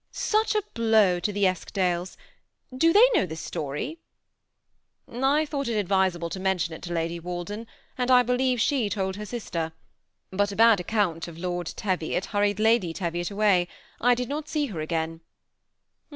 Such a blow to the Eskdales ! Do they know this story ?"^ I thought it advisable to mention it to Lady Wal den; and I believe she told her sister; but a bad account of Lord Teviot hurried Lady Teviot away. I did not see her again."